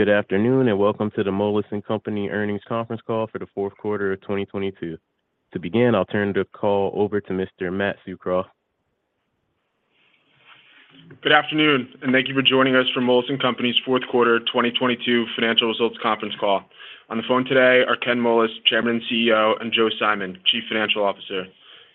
Good afternoon, welcome to the Moelis & Company earnings conference call for the fourth quarter of 2022. To begin, I'll turn the call over to Mr. Matt Tsukroff. Good afternoon, thank you for joining us for Moelis & Company's fourth quarter 2022 financial results conference call. On the phone today are Ken Moelis, Chairman and CEO, and Joe Simon, Chief Financial Officer.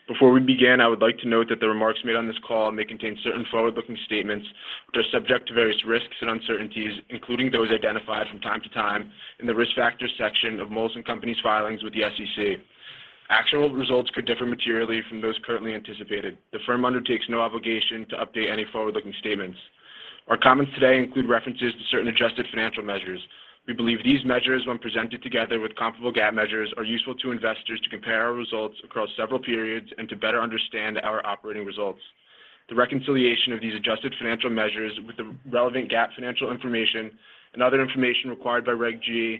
Before we begin, I would like to note that the remarks made on this call may contain certain forward-looking statements, which are subject to various risks and uncertainties, including those identified from time to time in the Risk Factors section of Moelis & Company's filings with the SEC. Actual results could differ materially from those currently anticipated. The firm undertakes no obligation to update any forward-looking statements. Our comments today include references to certain adjusted financial measures. We believe these measures, when presented together with comparable GAAP measures, are useful to investors to compare our results across several periods and to better understand our operating results. The reconciliation of these adjusted financial measures with the relevant GAAP financial information and other information required by Reg G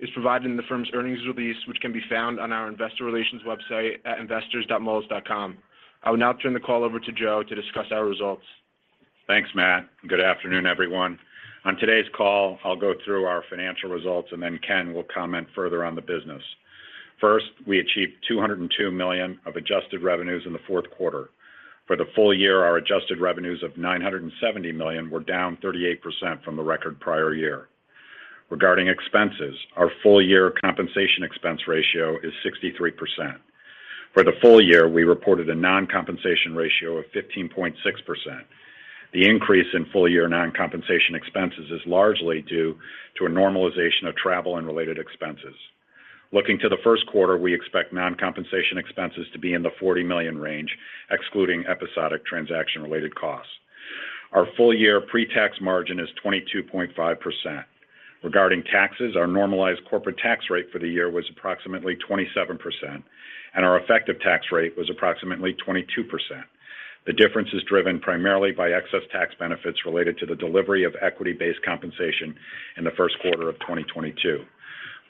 is provided in the firm's earnings release, which can be found on our investor relations website at investors.moelis.com. I will now turn the call over to Joe to discuss our results. Thanks, Matt. Good afternoon, everyone. On today's call, I'll go through our financial results, then Ken will comment further on the business. First, we achieved $202 million of adjusted revenues in the fourth quarter. For the full year, our adjusted revenues of $970 million were down 38% from the record prior year. Regarding expenses, our full year compensation expense ratio is 63%. For the full year, we reported a non-compensation ratio of 15.6%. The increase in full-year non-compensation expenses is largely due to a normalization of travel and related expenses. Looking to the first quarter, we expect non-compensation expenses to be in the $40 million range, excluding episodic transaction-related costs. Our full-year pre-tax margin is 22.5%. Regarding taxes, our normalized corporate tax rate for the year was approximately 27%, and our effective tax rate was approximately 22%. The difference is driven primarily by excess tax benefits related to the delivery of equity-based compensation in the first quarter of 2022.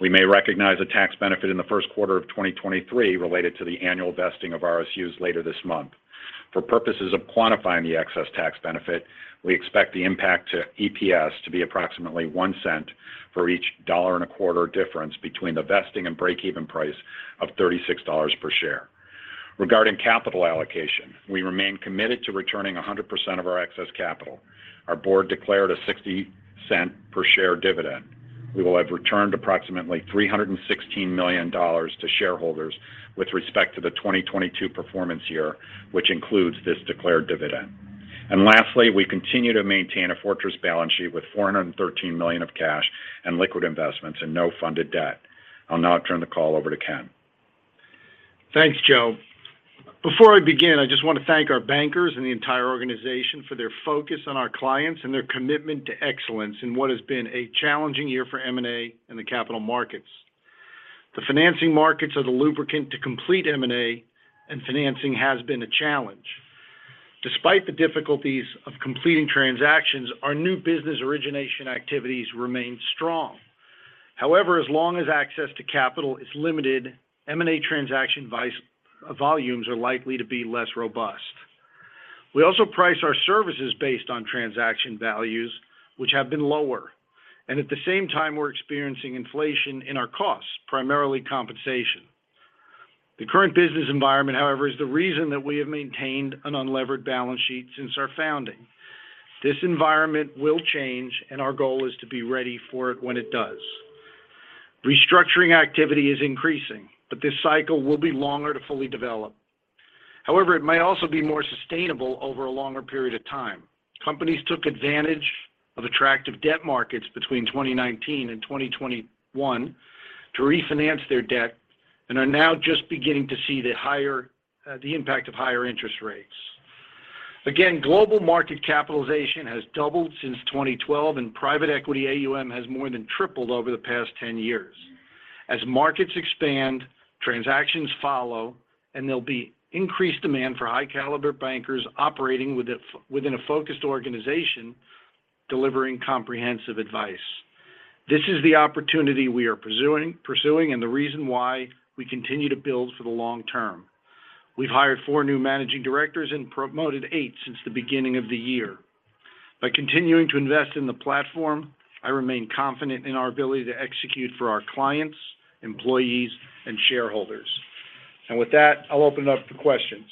We may recognize a tax benefit in the first quarter of 2023 related to the annual vesting of RSUs later this month. For purposes of quantifying the excess tax benefit, we expect the impact to EPS to be approximately $0.01 for each $1.25 difference between the vesting and breakeven price of $36 per share. Regarding capital allocation, we remain committed to returning 100% of our excess capital. Our board declared a $0.60 per share dividend. We will have returned approximately $316 million to shareholders with respect to the 2022 performance year, which includes this declared dividend. Lastly, we continue to maintain a fortress balance sheet with $413 million of cash and liquid investments and no funded debt. I'll now turn the call over to Ken. Thanks, Joe. Before I begin, I just want to thank our bankers and the entire organization for their focus on our clients and their commitment to excellence in what has been a challenging year for M&A and the capital markets. The financing markets are the lubricant to complete M&A, and financing has been a challenge. Despite the difficulties of completing transactions, our new business origination activities remain strong. As long as access to capital is limited, M&A transaction volumes are likely to be less robust. We also price our services based on transaction values, which have been lower. At the same time, we're experiencing inflation in our costs, primarily compensation. The current business environment, however, is the reason that we have maintained an unlevered balance sheet since our founding. This environment will change, and our goal is to be ready for it when it does. Restructuring activity is increasing. This cycle will be longer to fully develop. It may also be more sustainable over a longer period of time. Companies took advantage of attractive debt markets between 2019 and 2021 to refinance their debt and are now just beginning to see the higher the impact of higher interest rates. Global market capitalization has doubled since 2012, and private equity AUM has more than tripled over the past 10 years. Markets expand, transactions follow, and there'll be increased demand for high caliber bankers operating within a focused organization delivering comprehensive advice. This is the opportunity we are pursuing and the reason why we continue to build for the long term. We've hired four new managing directors and promoted eight since the beginning of the year. By continuing to invest in the platform, I remain confident in our ability to execute for our clients, employees, and shareholders. With that, I'll open it up to questions.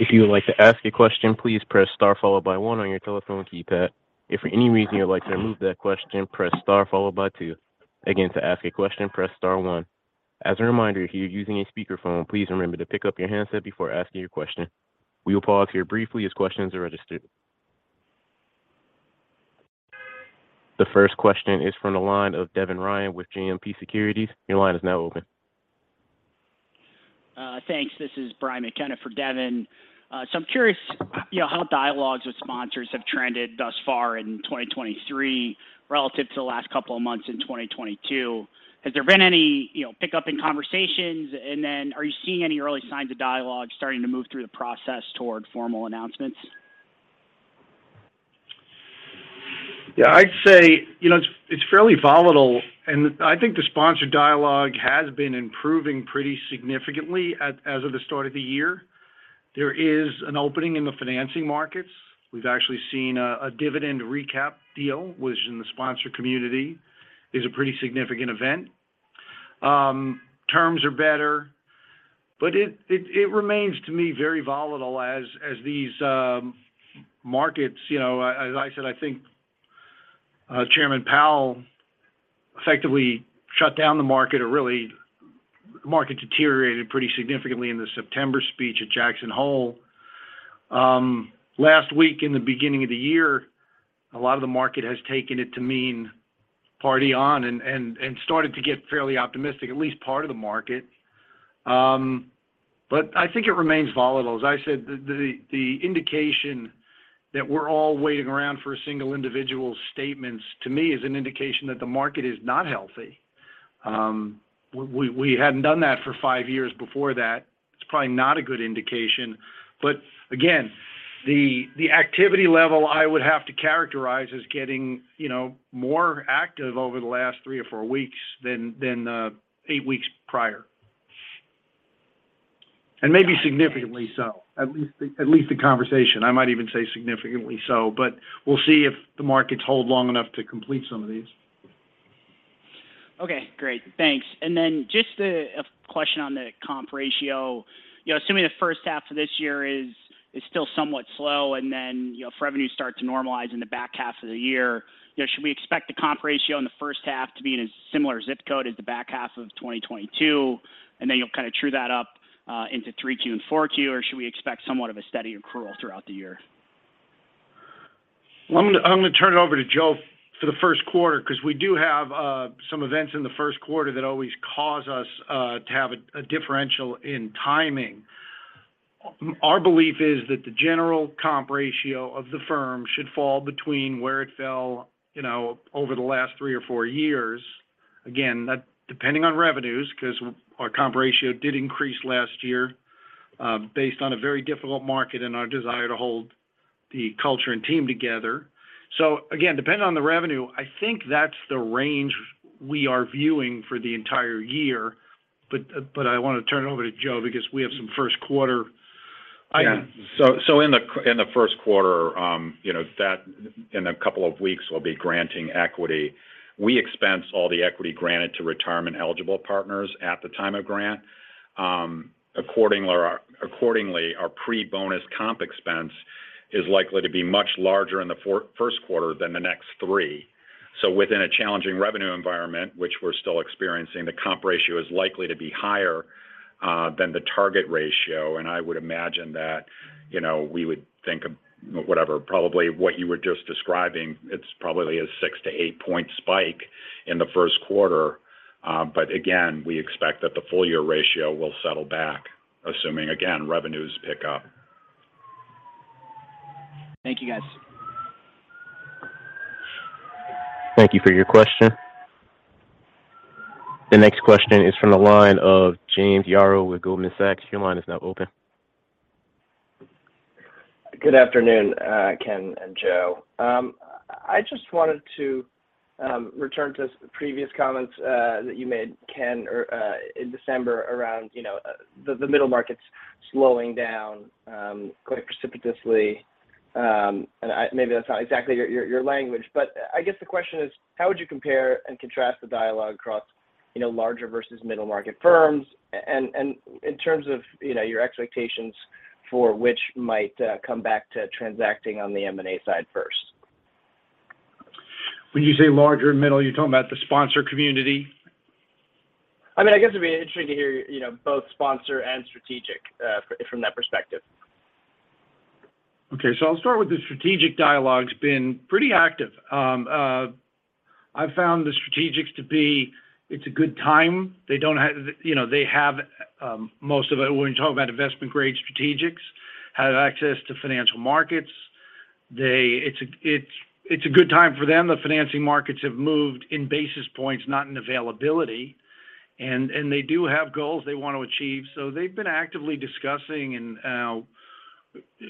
If you would like to ask a question, please press star followed by one on your telephone keypad. If for any reason you would like to remove that question, press star followed by two. Again, to ask a question, press star one. As a reminder, if you're using a speakerphone, please remember to pick up your handset before asking your question. We will pause here briefly as questions are registered. The first question is from the line of Devin Ryan with JMP Securities. Your line is now open. Thanks. This is Brian McKenna for Devin Ryan. I'm curious, you know, how dialogues with sponsors have trended thus far in 2023 relative to the last couple of months in 2022. Has there been any, you know, pickup in conversations? Are you seeing any early signs of dialogue starting to move through the process toward formal announcements? Yeah, I'd say, you know, it's fairly volatile, and I think the sponsor dialogue has been improving pretty significantly as of the start of the year. There is an opening in the financing markets. We've actually seen a dividend recap deal, which in the sponsor community is a pretty significant event. Terms are better, but it remains, to me, very volatile as these markets... You know, as I said, I think Chairman Powell effectively shut down the market or really the market deteriorated pretty significantly in the September speech at Jackson Hole. Last week, in the beginning of the year, a lot of the market has taken it to mean party on and started to get fairly optimistic, at least part of the market. I think it remains volatile. As I said, the indication that we're all waiting around for a single individual's statements, to me, is an indication that the market is not healthy. We hadn't done that for five years before that. It's probably not a good indication. Again, the activity level I would have to characterize as getting, you know, more active over the last three or four weeks than eight weeks prior. Maybe significantly so. At least the conversation. I might even say significantly so. We'll see if the markets hold long enough to complete some of these. Okay, great. Thanks. Just a question on the comp ratio. You know, assuming the first half of this year is still somewhat slow, you know, for revenue to start to normalize in the back half of the year, you know, should we expect the comp ratio in the first half to be in a similar zip code as the back half of 2022, then you'll kind of true that up into 3Q and 4Q? Should we expect somewhat of a steady accrual throughout the year? Well, I'm gonna turn it over to Joe for the first quarter because we do have some events in the first quarter that always cause us to have a differential in timing. Our belief is that the general comp ratio of the firm should fall between where it fell, you know, over the last three or four years. Again, that depending on revenues because our comp ratio did increase last year, based on a very difficult market and our desire to hold the culture and team together. Again, depending on the revenue, I think that's the range we are viewing for the entire year. I want to turn it over to Joe because we have some first quarter items. Yeah. In the first quarter, you know, that in two weeks, we'll be granting equity. We expense all the equity granted to retirement eligible partners at the time of grant. Accordingly, our pre-bonus comp expense is likely to be much larger in the first quarter than the next three. Within a challenging revenue environment, which we're still experiencing, the comp ratio is likely to be higher than the target ratio. I would imagine that, you know, we would think of whatever, probably what you were just describing, it's probably a six-to-eight-point spike in the first quarter. Again, we expect that the full year ratio will settle back, assuming again, revenues pick up. Thank you guys. Thank you for your question. The next question is from the line of James Yaro with Goldman Sachs. Your line is now open. Good afternoon Ken and Joe. I just wanted to return to the previous comments that you made, Ken, or in December around, you know, the middle markets slowing down quite precipitously. Maybe that's not exactly your language. But I guess the question is: How would you compare and contrast the dialogue across, you know, larger versus middle market firms and in terms of, you know, your expectations for which might come back to transacting on the M&A side first? When you say larger and middle, you're talking about the sponsor community? I mean, I guess it'd be interesting to hear, you know, both sponsor and strategic from that perspective. I'll start with the strategic dialogue's been pretty active. I've found the strategics to be, it's a good time. They don't You know, they have most of it. When you talk about investment grade strategics, have access to financial markets. It's a good time for them. The financing markets have moved in basis points, not in availability. They do have goals they want to achieve, so they've been actively discussing and,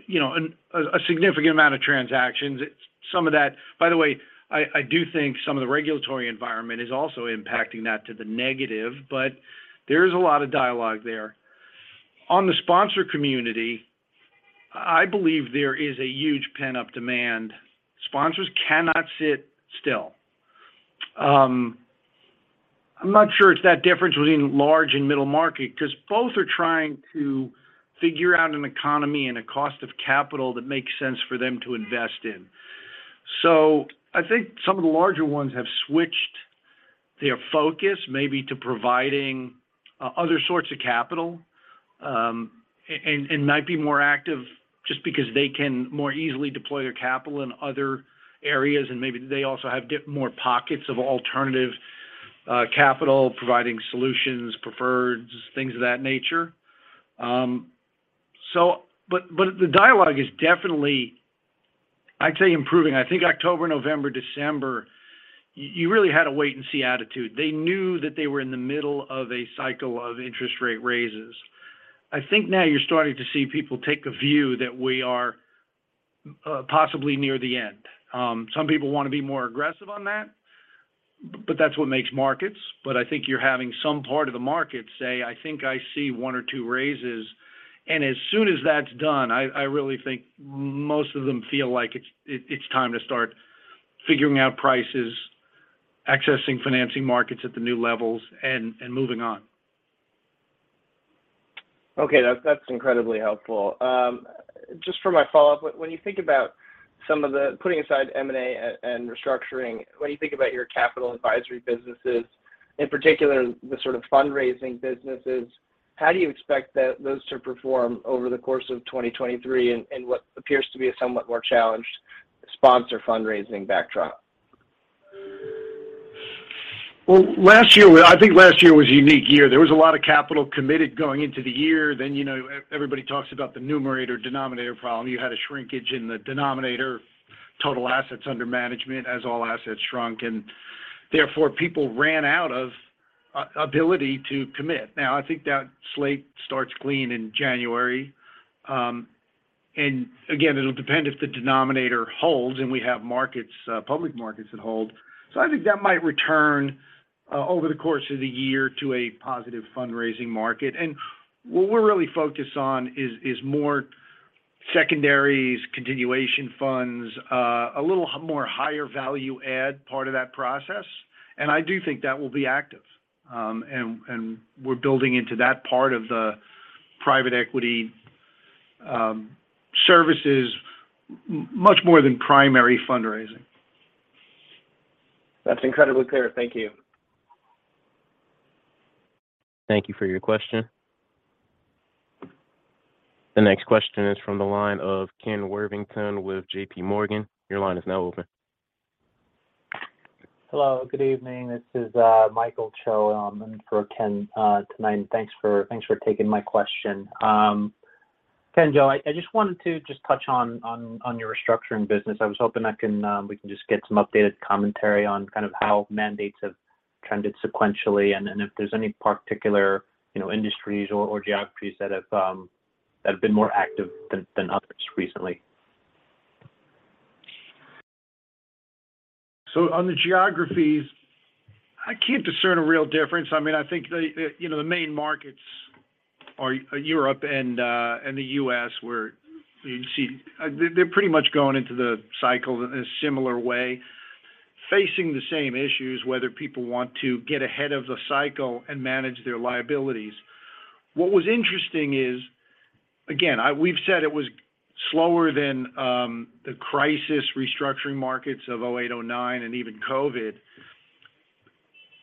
you know, a significant amount of transactions. It's some of that. By the way, I do think some of the regulatory environment is also impacting that to the negative, but there is a lot of dialogue there. On the sponsor community, I believe there is a huge pent-up demand. Sponsors cannot sit still. I'm not sure it's that difference between large and middle market because both are trying to figure out an economy and a cost of capital that makes sense for them to invest in. I think some of the larger ones have switched their focus maybe to providing other sorts of capital, and might be more active just because they can more easily deploy their capital in other areas, and maybe they also have get more pockets of alternative capital, providing solutions, preferreds, things of that nature. The dialogue is definitely, I'd say, improving. I think October, November, December, you really had a wait and see attitude. They knew that they were in the middle of a cycle of interest rate raises. I think now you're starting to see people take a view that we are possibly near the end. Some people wanna be more aggressive on that, but that's what makes markets. I think you're having some part of the market say, "I think I see one or two raises." As soon as that's done, I really think most of them feel like it's time to start figuring out prices, accessing financing markets at the new levels, and moving on. Okay, that's incredibly helpful. Just for my follow-up, when you think about some of the... Putting aside M&A and restructuring, when you think about your capital advisory businesses, in particular the sort of fundraising businesses, how do you expect those to perform over the course of 2023 in what appears to be a somewhat more challenged sponsor fundraising backdrop? Last year I think last year was a unique year. There was a lot of capital committed going into the year. You know, everybody talks about the numerator/denominator problem. You had a shrinkage in the denominator, total assets under management as all assets shrunk, and therefore people ran out of ability to commit. I think that slate starts clean in January. Again, it'll depend if the denominator holds and we have markets, public markets that hold. I think that might return over the course of the year to a positive fundraising market. What we're really focused on is more secondaries, continuation funds, a little more higher value add part of that process, and I do think that will be active. We're building into that part of the private equity, services much more than primary fundraising. That's incredibly clear. Thank you. Thank you for your question. The next question is from the line of Ken Worthington with JPMorgan. Your line is now open. Hello, good evening. This is Michael Cho in for Ken tonight. Thanks for taking my question. Ken, Joe, I just wanted to touch on your restructuring business. I was hoping we can just get some updated commentary on kind of how mandates have trended sequentially and if there's any particular, you know, industries or geographies that have been more active than others recently. On the geographies, I can't discern a real difference. I mean, I think the, you know, the main markets are Europe and the U.S. where they're pretty much going into the cycle in a similar way. Facing the same issues whether people want to get ahead of the cycle and manage their liabilities. What was interesting is, again, we've said it was slower than the crisis restructuring markets of 2008, 2009 and even COVID,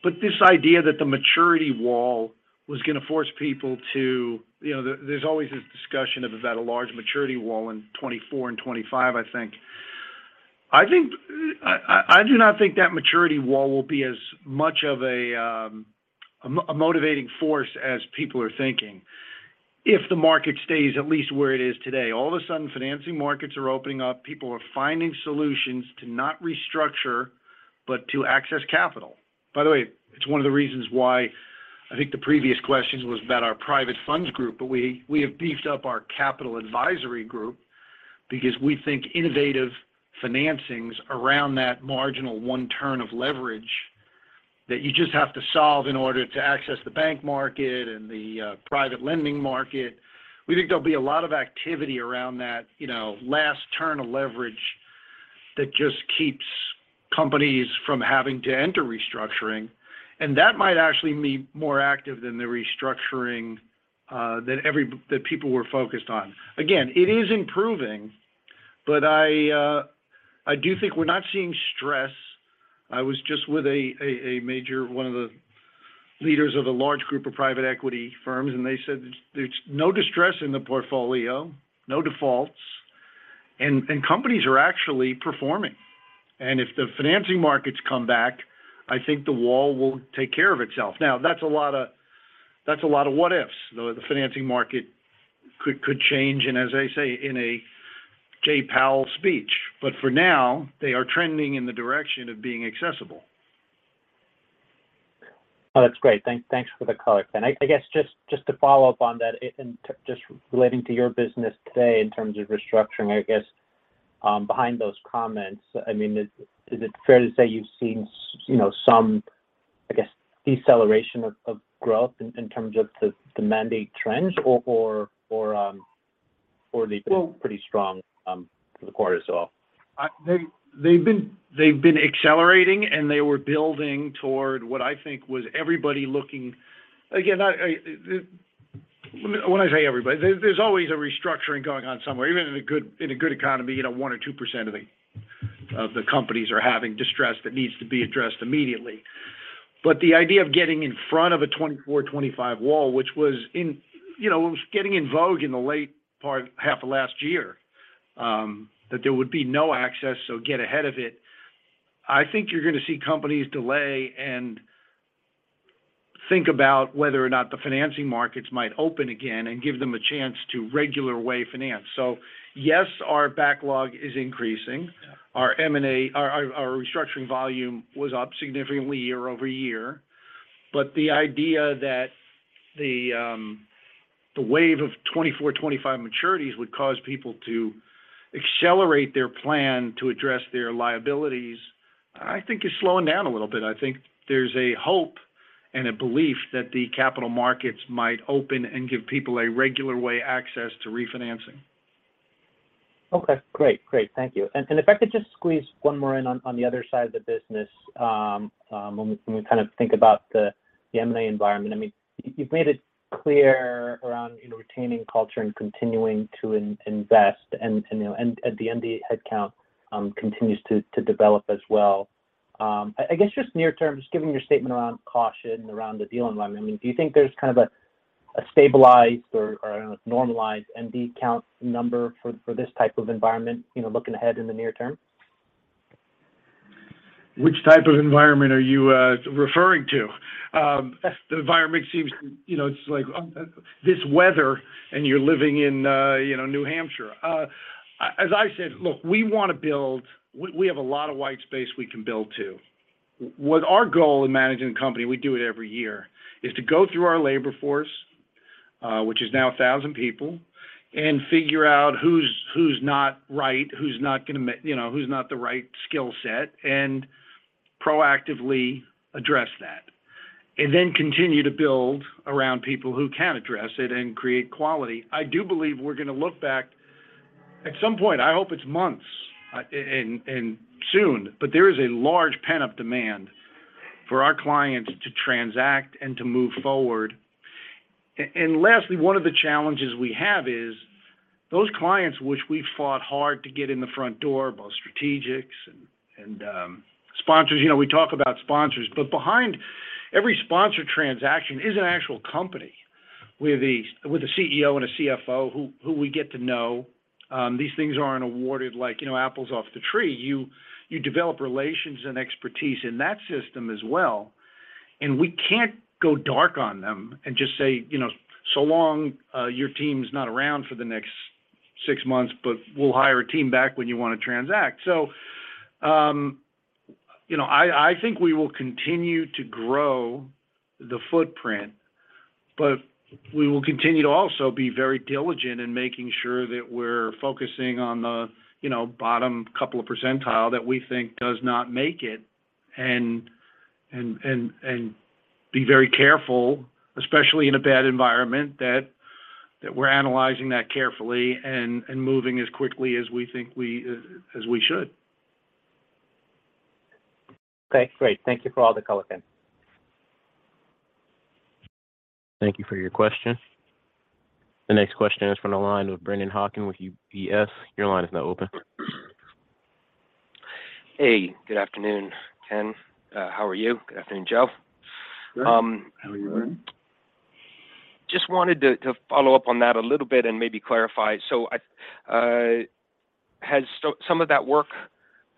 but this idea that the maturity wall was gonna force people to... You know, there's always this discussion of, is that a large maturity wall in 2024 and 2025, I think. I do not think that maturity wall will be as much of a motivating force as people are thinking if the market stays at least where it is today. Financing markets are opening up. People are finding solutions to not restructure, but to access capital. It's one of the reasons why I think the previous questions was about our private funds group, but we have beefed up our capital advisory group because we think innovative financings around that marginal one turn of leverage that you just have to solve in order to access the bank market and the private lending market. We think there'll be a lot of activity around that, you know, last turn of leverage that just keeps companies from having to enter restructuring, and that might actually be more active than the restructuring that people were focused on. It is improving, but I do think we're not seeing stress. I was just with a major one of the leaders of a large group of private equity firms, and they said there's no distress in the portfolio, no defaults, and companies are actually performing. If the financing markets come back, I think the wall will take care of itself. That's a lot of what-ifs. The financing market could change and as they say in a Jay Powell speech. For now, they are trending in the direction of being accessible. Oh, that's great. Thanks for the color, Ken. I guess just to follow up on that and just relating to your business today in terms of restructuring, I guess, behind those comments. I mean, is it fair to say you've seen you know, some, I guess, deceleration of growth in terms of the mandate trends or they've been-? Well- pretty strong, for the quarter as well? They've been accelerating, and they were building toward what I think was everybody looking. Again, when I say everybody, there's always a restructuring going on somewhere. Even in a good economy, you know, 1% or 2% of the companies are having distress that needs to be addressed immediately. The idea of getting in front of a 2024, 2025 wall, which was in, you know, it was getting in vogue in the late part, half of last year, that there would be no access, so get ahead of it. I think you're gonna see companies delay and think about whether or not the financing markets might open again and give them a chance to regular way finance. Yes, our backlog is increasing. Our M&A restructuring volume was up significantly year-over-year. The idea that the wave of 2024, 2025 maturities would cause people to accelerate their plan to address their liabilities, I think is slowing down a little bit. I think there's a hope and a belief that the capital markets might open and give people a regular way access to refinancing. Okay, great. Great. Thank you. If I could just squeeze one more in on the other side of the business, when we kind of think about the M&A environment. I mean, you've made it clear around, you know, retaining culture and continuing to invest. You know, and at the end, the headcount continues to develop as well. I guess just near term, just given your statement around caution around the deal environment, I mean, do you think there's kind of a stabilized or a normalized MD count number for this type of environment, you know, looking ahead in the near term? Which type of environment are you referring to? The environment seems, you know, it's like, this weather and you're living in, you know, New Hampshire. As I said, look, we wanna build... We have a lot of white space we can build to. What our goal in managing the company, we do it every year, is to go through our labor force, which is now 1,000 people, and figure out who's not right, who's not gonna you know, who's not the right skill set, and proactively address that. Then continue to build around people who can address it and create quality. I do believe we're gonna look back at some point, I hope it's months, and soon, but there is a large pent-up demand for our clients to transact and to move forward. Lastly, one of the challenges we have is those clients which we fought hard to get in the front door, both strategics and sponsors, you know, we talk about sponsors, behind every sponsor transaction is an actual company with a CEO and a CFO who we get to know. These things aren't awarded like, you know, apples off the tree. You develop relations and expertise in that system as well. We can't go dark on them and just say, "You know, so long, your team's not around for the next six months, but we'll hire a team back when you wanna transact." You know, I think we will continue to grow the footprint, but we will continue to also be very diligent in making sure that we're focusing on the, you know, bottom couple of percentile that we think does not make it and be very careful, especially in a bad environment, that we're analyzing that carefully and moving as quickly as we think we as we should. Okay, great. Thank you for all the color, Ken. Thank you for your question. The next question is from the line of Brennan Hawken with UBS. Your line is now open. Hey, good afternoon, Ken. How are you? Good afternoon, Joe. Good. How are you Brennan? Just wanted to follow up on that a little bit and maybe clarify. Has some of that work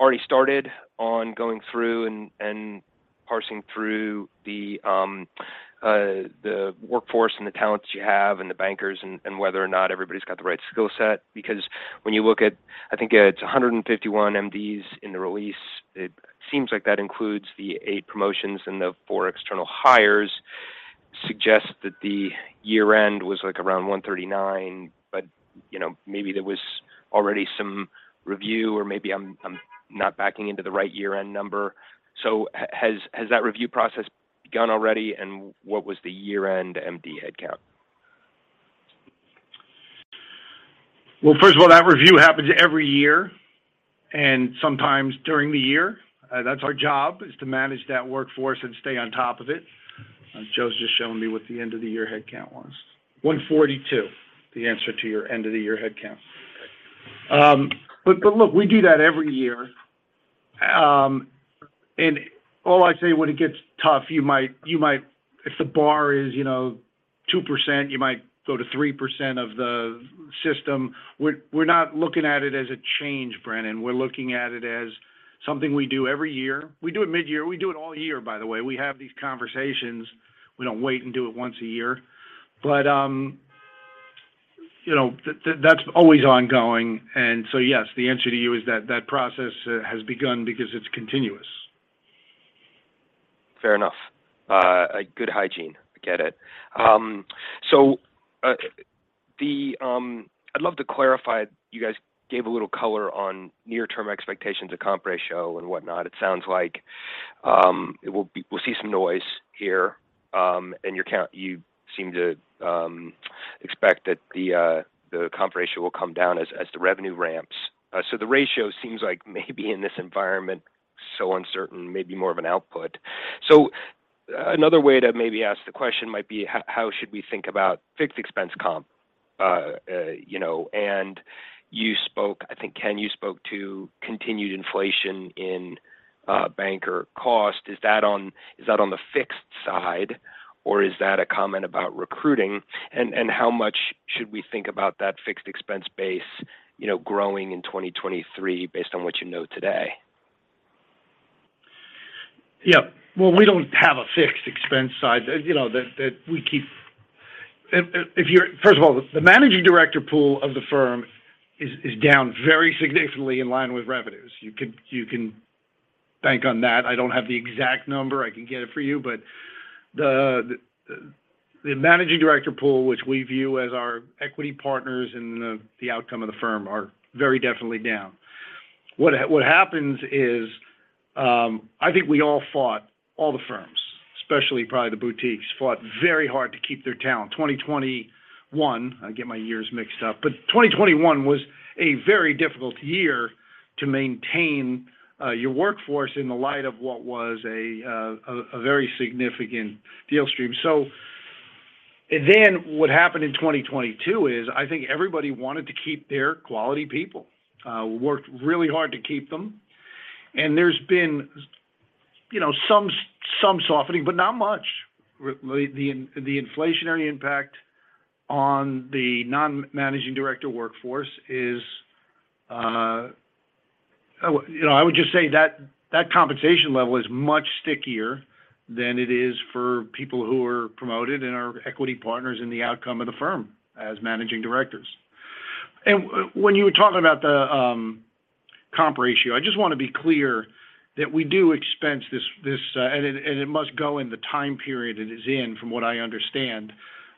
already started on going through and parsing through the workforce and the talents you have and the bankers and whether or not everybody's got the right skill set? Because when you look at, I think it's 151 MDs in the release, it seems like that includes the eight promotions and the four external hires suggest that the year-end was like around 139. You know, maybe there was already some review or maybe I'm not backing into the right year-end number. Has that review process begun already, and what was the year-end MD headcount? Well, first of all, that review happens every year and sometimes during the year. That's our job is to manage that workforce and stay on top of it. Joe's just showing me what the end of the year headcount was. 142, the answer to your end of the year headcount. Okay. Look, we do that every year. All I say when it gets tough, if the bar is, you know, 2%, you might go to 3% of the system. We're not looking at it as a change Brennan Hawken. We're looking at it as something we do every year. We do it mid-year. We do it all year, by the way. We have these conversations. We don't wait and do it once a year. You know, that's always ongoing. Yes, the answer to you is that that process has begun because it's continuous. Fair enough. A good hygiene. I get it. So, I'd love to clarify, you guys gave a little color on near-term expectations of comp ratio and whatnot. It sounds like we'll see some noise here, and you seem to expect that the comp ratio will come down as the revenue ramps. The ratio seems like maybe in this environment, so uncertain, maybe more of an output. Another way to maybe ask the question might be how should we think about fixed expense comp? You know, you spoke, I think, Ken you spoke to continued inflation in banker cost. Is that on the fixed side, or is that a comment about recruiting? How much should we think about that fixed expense base, you know, growing in 2023 based on what you know today? Yeah. Well, we don't have a fixed expense side. You know, If you're First of all, the managing director pool of the firm is down very significantly in line with revenues. You can bank on that. I don't have the exact number. I can get it for you. The managing director pool, which we view as our equity partners in the outcome of the firm, are very definitely down. What happens is, I think we all fought, all the firms, especially probably the boutiques, fought very hard to keep their talent. 2021, I get my years mixed up, 2021 was a very difficult year to maintain your workforce in the light of what was a very significant deal stream. What happened in 2022 is I think everybody wanted to keep their quality people. Worked really hard to keep them. There's been, you know, some softening, but not much. The inflationary impact on the non-managing director workforce is... You know, I would just say that compensation level is much stickier than it is for people who are promoted and are equity partners in the outcome of the firm as managing directors. When you were talking about the comp ratio, I just wanna be clear that we do expense this... It must go in the time period it is in, from what I understand,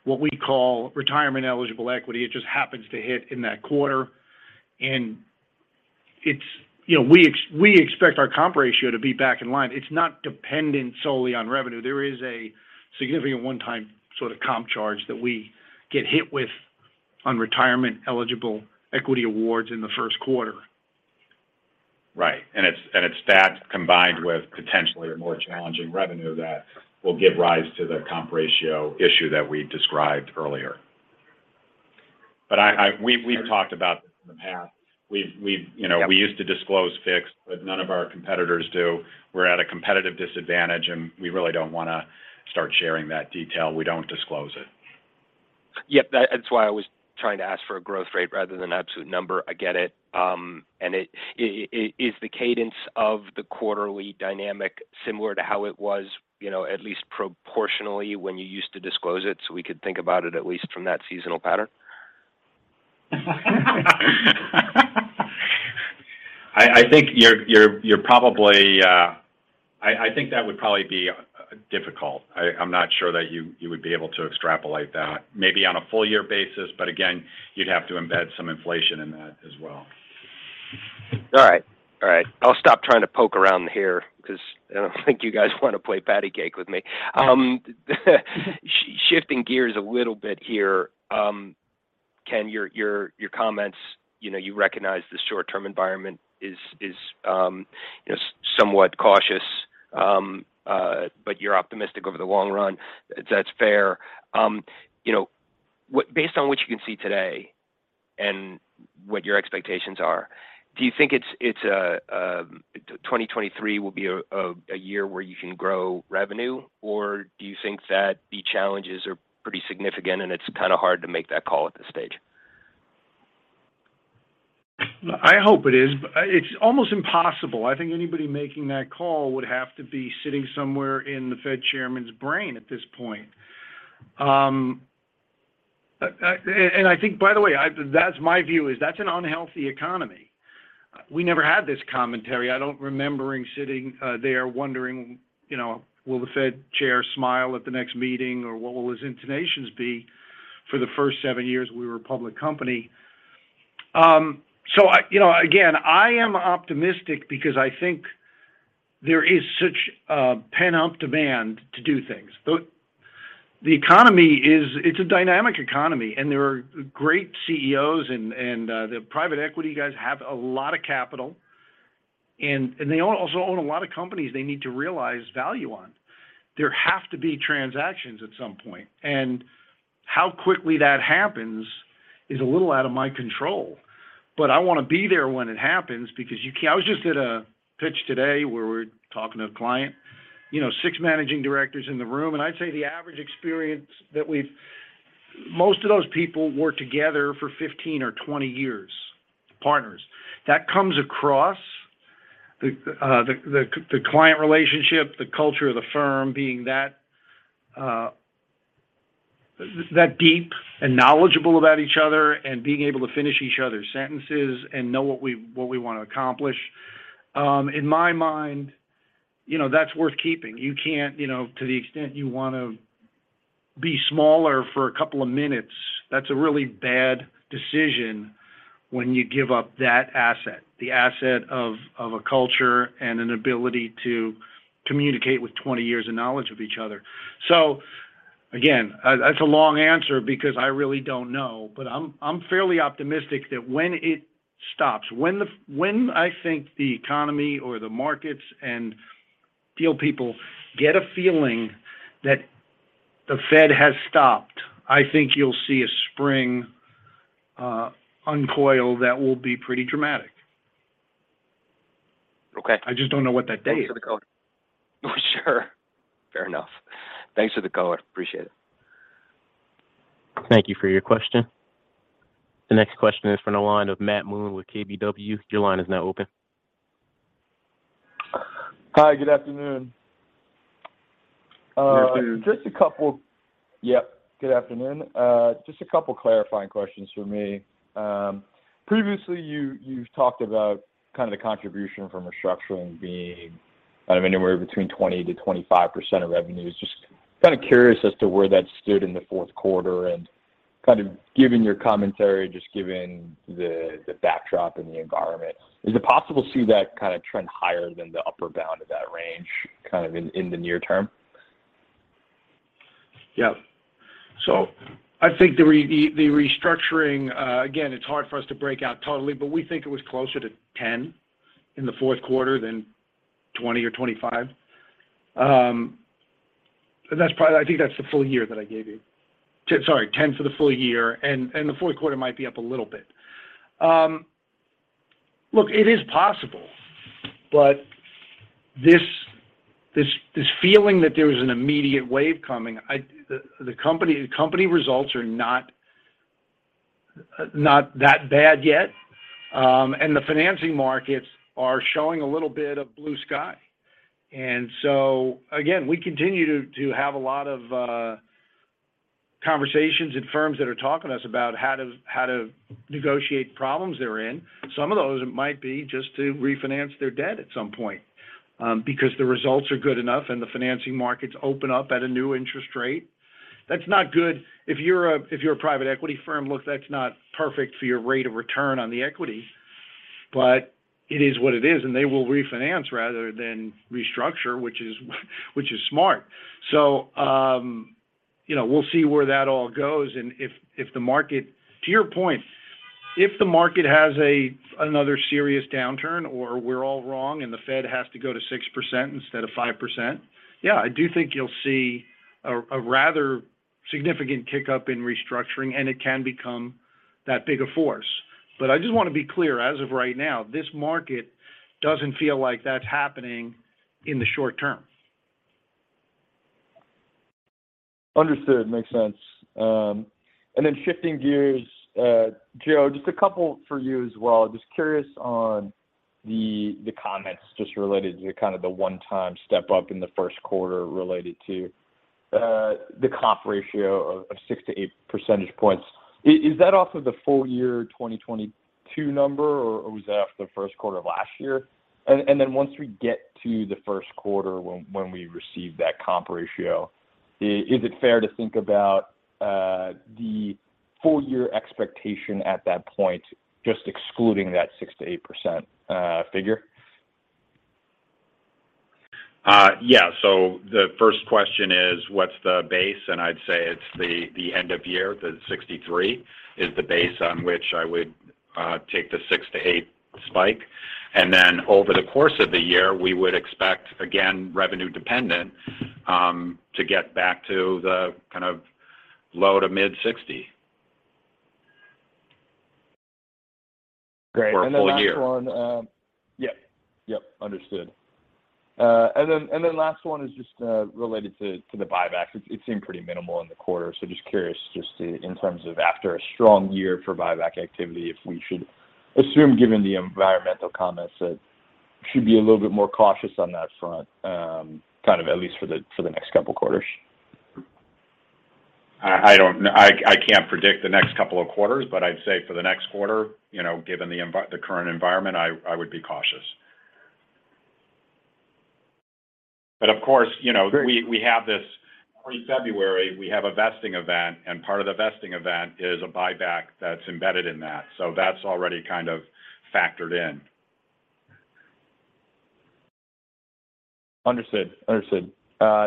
what we call retirement eligible equity. It just happens to hit in that quarter. It's... You know, we expect our comp ratio to be back in line. It's not dependent solely on revenue. There is a significant one-time sort of comp charge that we get hit with on retirement eligible equity awards in the first quarter. Right. It's that combined with potentially more challenging revenue that will give rise to the comp ratio issue that we described earlier. We've talked about this in the past. We've, you know. Yeah We used to disclose fixed, but none of our competitors do. We're at a competitive disadvantage, and we really don't wanna start sharing that detail. We don't disclose it. Yep. That's why I was trying to ask for a growth rate rather than an absolute number. I get it. Is the cadence of the quarterly dynamic similar to how it was, you know, at least proportionally when you used to disclose it, so we could think about it at least from that seasonal pattern? I think you're probably, I think that would probably be difficult. I'm not sure that you would be able to extrapolate that. Maybe on a full year basis, but again, you'd have to embed some inflation in that as well. All right, all right. I'll stop trying to poke around here because I don't think you guys wanna play patty cake with me. Shifting gears a little bit here. Ken, your comments, you know, you recognize the short-term environment is, you know, somewhat cautious. But you're optimistic over the long run. That's fair. You know, based on what you can see today and what your expectations are, do you think it's, 2023 will be a year where you can grow revenue? Or do you think that the challenges are pretty significant and it's kinda hard to make that call at this stage? I hope it is, but it's almost impossible. I think anybody making that call would have to be sitting somewhere in the Fed Chairman's brain at this point. I think, by the way, that's my view is that's an unhealthy economy. We never had this commentary. I don't remembering sitting there wondering, you know, will the Fed Chairman smile at the next meeting, or what will his intonations be for the first seven years we were a public company. I, you know, again, I am optimistic because I think there is such a pent-up demand to do things. The economy is a dynamic economy, and there are great CEOs and the private equity guys have a lot of capital. They also own a lot of companies they need to realize value on. There have to be transactions at some point. How quickly that happens is a little out of my control. I wanna be there when it happens because I was just at a pitch today where we're talking to a client. You know, six managing directors in the room. I'd say the average experience that Most of those people worked together for 15 or 20 years, partners. That comes across, the client relationship, the culture of the firm being that deep and knowledgeable about each other and being able to finish each other's sentences and know what we wanna accomplish. In my mind, you know, that's worth keeping. You can't. You know, to the extent you wanna be smaller for a couple of minutes, that's a really bad decision when you give up that asset, the asset of a culture and an ability to communicate with 20 years of knowledge of each other. Again, that's a long answer because I really don't know. But I'm fairly optimistic that when it stops, when I think the economy or the markets and deal people get a feeling that the Fed has stopped, I think you'll see a spring uncoil that will be pretty dramatic. Okay. I just don't know what that date is. Thanks for the color. Sure. Fair enough. Thanks for the color. Appreciate it. Thank you for your question. The next question is from the line of Matt Moon with KBW. Your line is now open. Hi, good afternoon. Good afternoon. Good afternoon. Just a couple clarifying questions for me. Previously you've talked about kind of the contribution from restructuring being kind of anywhere between 20%-25% of revenue. Just kind of curious as to where that stood in the fourth quarter, and kind of given your commentary, just given the backdrop and the environment. Is it possible to see that kind of trend higher than the upper bound of that range, kind of in the near term? I think the restructuring, again, it's hard for us to break out totally, but we think it was closer to 10% in the fourth quarter than 20% or 25%. That's probably I think that's the full year that I gave you. Sorry, 10% for the full year, and the fourth quarter might be up a little bit. Look, it is possible, but this feeling that there is an immediate wave coming, the company results are not that bad yet. The financing markets are showing a little bit of blue sky. Again, we continue to have a lot of conversations with firms that are talking to us about how to negotiate problems they're in. Some of those might be just to refinance their debt at some point, because the results are good enough and the financing markets open up at a new interest rates. That's not good. If you're a private equity firm, look, that's not perfect for your rate of return on the equity, but it is what it is, and they will refinance rather than restructure, which is smart. You know, we'll see where that all goes and if the market To your point, if the market has another serious downturn or we're all wrong and the Fed has to go to 6% instead of 5%, yeah, I do think you'll see a rather significant kick-up in restructuring and it can become that big a force. I just wanna be clear, as of right now, this market doesn't feel like that's happening in the short term. Understood. Makes sense. Shifting gears Joe, just a couple for you as well. Just curious on the comments just related to kind of the one-time step-up in the first quarter related to the comp ratio of 6 to 8 percentage points. Is that off of the full year 2022 number, or was that off the first quarter of last year? Then once we get to the first quarter when we receive that comp ratio, is it fair to think about the full year expectation at that point, just excluding that 6%-8% figure? Yeah. The first question is what's the base? I'd say it's the end of year, the 63 is the base on which I would take the six-to-eight spike. Over the course of the year, we would expect, again, revenue dependent, to get back to the kind of low to mid 60. Great. For a full year. Last one. Yep, understood. Then last one is just related to the buybacks. It seemed pretty minimal in the quarter. Just curious in terms of after a strong year for buyback activity, if we should assume, given the environmental comments, that should be a little bit more cautious on that front, kind of at least for the next couple quarters. I can't predict the next couple of quarters, but I'd say for the next quarter, you know, given the current environment, I would be cautious. Of course, you know... Great... we have this pre-February, we have a vesting event, and part of the vesting event is a buyback that's embedded in that. That's already kind of factored in. Understood. Understood.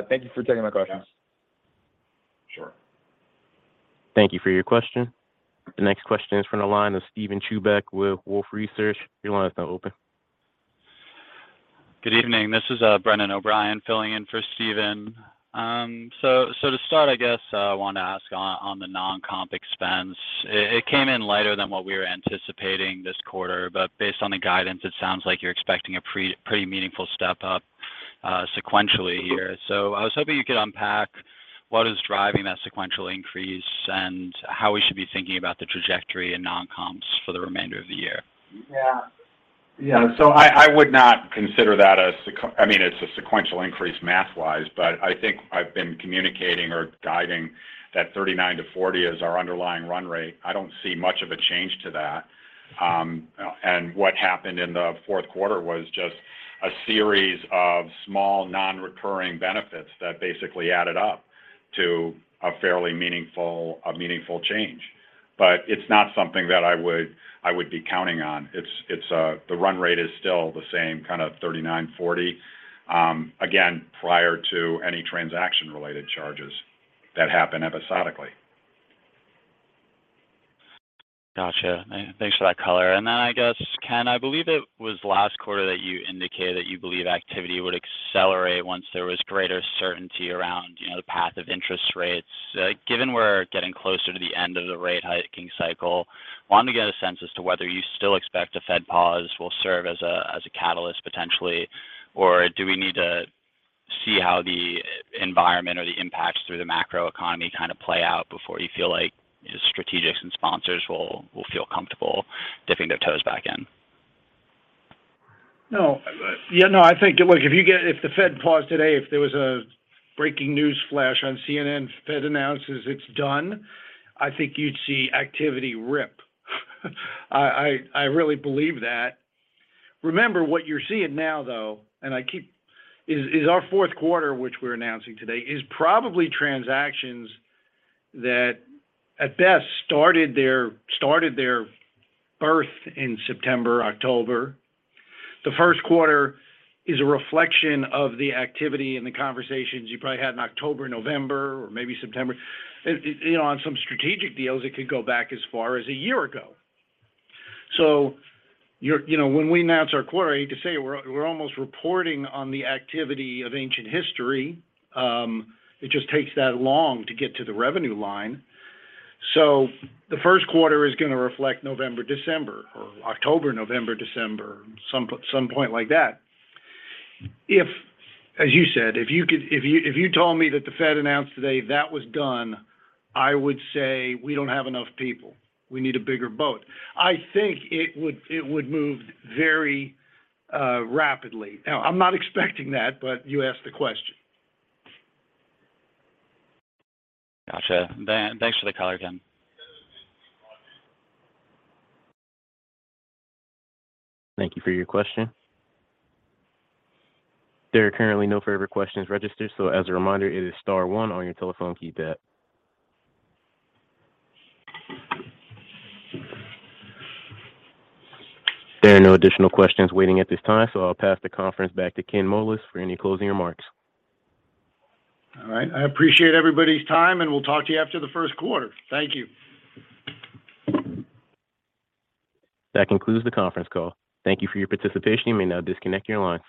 Thank you for taking my questions. Yeah. Sure. Thank you for your question. The next question is from the line of Steven Chubak with Wolfe Research. Your line is now open. Good evening. This is Brendan O'Brien filling in for Steven. To start, I guess, I wanted to ask on the non-comp expense. It came in lighter than what we were anticipating this quarter, but based on the guidance, it sounds like you're expecting a pretty meaningful step up sequentially here. I was hoping you could unpack what is driving that sequential increase and how we should be thinking about the trajectory in non-comps for the remainder of the year. Yeah. Yeah. I would not consider that I mean, it's a sequential increase math-wise, but I think I've been communicating or guiding that 39-40 is our underlying run rate. I don't see much of a change to that. What happened in the fourth quarter was just a series of small non-recurring benefits that basically added up to a fairly meaningful change. It's not something that I would be counting on. It's the run rate is still the same, kind of 39, 40, again, prior to any transaction-related charges that happen episodically. Gotcha. Thanks for that color. I guess Ken, I believe it was last quarter that you indicated that you believe activity would accelerate once there was greater certainty around, you know, the path of interest rates. Given we're getting closer to the end of the rate hiking cycle, wanted to get a sense as to whether you still expect a Fed pause will serve as a, as a catalyst potentially, or do we need to see how the environment or the impacts through the macro economy kind of play out before you feel like strategics and sponsors will feel comfortable dipping their toes back in? No. Yeah. No, I think, look, if the Fed paused today, if there was a breaking news flash on CNN, Fed announces it's done, I think you'd see activity rip. I really believe that. Remember, what you're seeing now, though, and is our fourth quarter, which we're announcing today, is probably transactions that at best started their birth in September, October. The first quarter is a reflection of the activity and the conversations you probably had in October, November, or maybe September. You know, on some strategic deals, it could go back as far as a year ago. You know, when we announce our quarter, I hate to say it, we're almost reporting on the activity of ancient history. It just takes that long to get to the revenue line. The first quarter is gonna reflect November, December, or October, November, December, some point like that. As you said, if you told me that the Fed announced today that was done, I would say, "We don't have enough people. We need a bigger boat." I think it would move very rapidly. I'm not expecting that, but you asked the question. Gotcha. Thanks for the color, Ken. Thank you for your question. There are currently no further questions registered. As a reminder, it is star one on your telephone keypad. There are no additional questions waiting at this time. I'll pass the conference back to Ken Moelis for any closing remarks. All right. I appreciate everybody's time, and we'll talk to you after the first quarter. Thank you. That concludes the conference call. Thank you for your participation. You may now disconnect your lines.